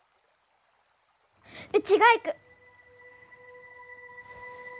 うちが行く。